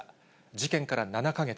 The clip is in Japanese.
事件から７か月。